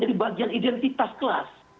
jadi bagian identitas kelas